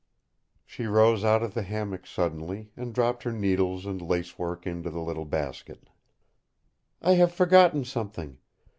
She rose out of the hammock suddenly and dropped her needles and lace work into the little basket. "I have forgotten something.